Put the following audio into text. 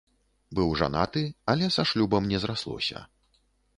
Быў жанаты, але са шлюбам не зраслося.